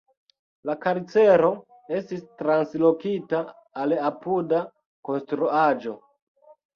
La karcero estis translokita al apuda konstruaĵo.